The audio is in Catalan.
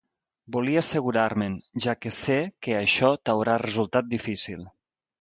Volia assegurar-me'n, ja que sé que això t'haurà resultat difícil.